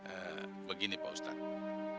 eh begini pak ustadz